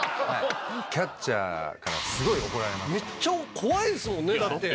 めっちゃ怖いですもんねだって。